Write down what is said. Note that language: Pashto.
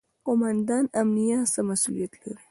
قوماندان امنیه څه مسوولیت لري؟